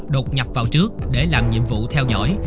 đột nhập vào trước để làm nhiệm vụ theo dõi